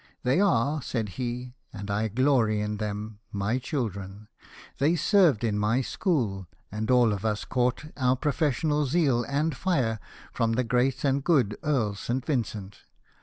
" They are," said he, " and I glory in them, my children ; they served in my school ; and all of us caught our professional zeal and Arc from the great and good Earl St. Vincent.